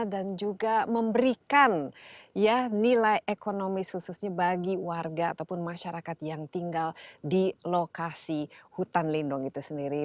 dan juga memberikan nilai ekonomis khususnya bagi warga ataupun masyarakat yang tinggal di lokasi hutan lindung itu sendiri